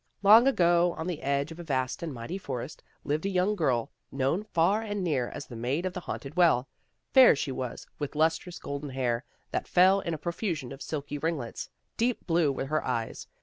" Long ago, on the edge of a vast and mighty forest, lived a young girl, known far and near as the Maid of the Haunted Well. Fair she was, with lustrous, golden hair, that fell in a profusion of silky ringlets. Deep blue were her eyes.